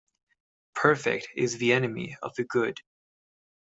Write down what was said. Perfect is the enemy of the good